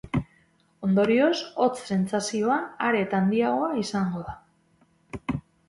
Ondorioz, hotz sentsazioa are eta handiagoa izango da.